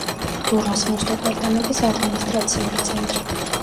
დურასნოს დეპარტამენტის ადმინისტრაციული ცენტრი.